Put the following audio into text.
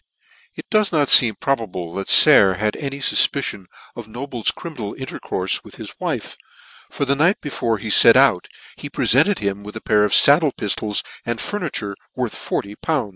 It does not feem probable that Sayer had any fufpicion of Noble's criminal intercourfe with his wire, for the night before he fet out he prefented him with a pair of faddle piftols and furniture worth above 40!.